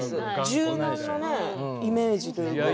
柔軟なイメージというか。